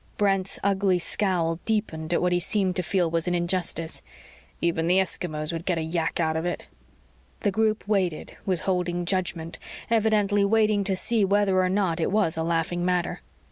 Brent's ugly scowl deepened at what he seemed to feel was an injustice. "Even the Eskimos would get a yack out of it." The group waited, withholding judgment, evidently waiting to see whether or not it was a laughing matter.